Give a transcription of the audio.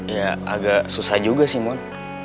ya agak susah juga sih mun